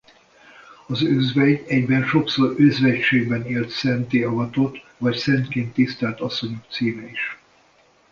Az özvegy egyben sokszor özvegységben élt szentté avatott vagy szentként tisztelt asszonyok címe is.